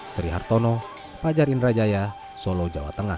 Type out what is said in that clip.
sri hartono fajar indrajaya solo jawa tengah